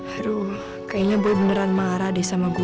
aduh kayaknya gue beneran marah deh sama gue